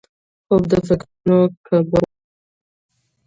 خوب د فکرونو کباړ وباسي